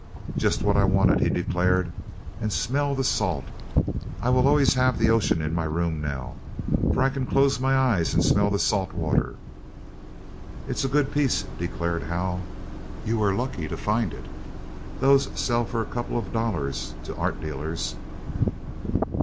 "Just what I wanted!" he declared. "And smell the salt. I will always have the ocean in my room now, for I can close my eyes and smell the salt water." "It is a good piece," declared Hal. "You were lucky to find it. Those sell for a couple of dollars to art dealers."